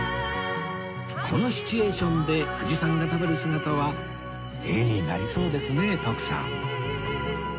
このシチュエーションで藤さんが食べる姿は絵になりそうですね徳さん